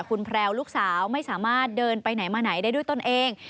คุณแพรวลูกสาวไม่สามารถเดินไปไหนมาไหนได้ด้วยตนเอง